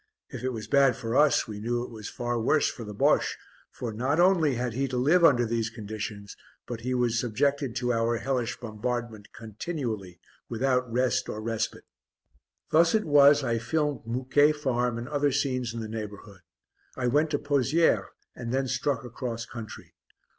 If it was bad for us, we knew it was far worse for the Bosche, for not only had he to live under these conditions, but he was subjected to our hellish bombardment continually without rest or respite. Thus it was I filmed Mouquet Farm and other scenes in the neighbourhood. I went to Pozières and then struck across country.